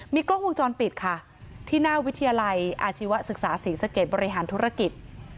กล้องวงจรปิดค่ะที่หน้าวิทยาลัยอาชีวศึกษาศรีสะเกดบริหารธุรกิจ